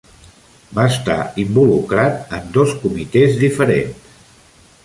Va estar involucrat en dos comitès diferents.